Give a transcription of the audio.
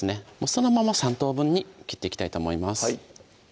そのまま３等分に切っていきたいと思います